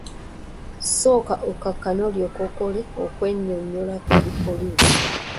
Sooka okakkane olyoke okole okwennyonnyolako eri poliisi.